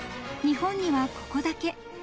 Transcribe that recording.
［日本にはここだけ。